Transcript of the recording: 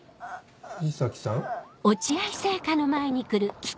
藤崎さん？